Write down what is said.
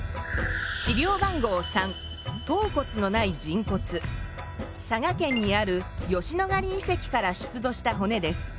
資料番号３佐賀県にある吉野ヶ里遺跡から出土した骨です。